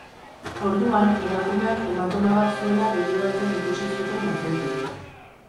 Orduan, emakumeak hematoma bat zuela begi batean ikusi zuten agenteek.